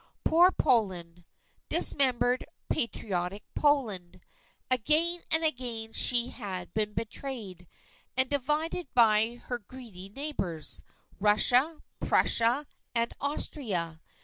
Poor Poland! Dismembered, patriotic Poland! Again and again she had been betrayed, and divided by her greedy neighbours, Russia, Prussia, and Austria.